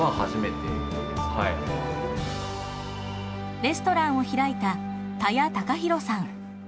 レストランを開いた田谷昴大さん。